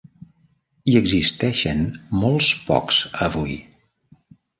Hi existeixen molts pocs avui.